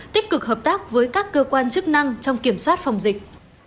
tích cực hợp tác với các cơ quan chức năng trong kiểm soát phòng dịch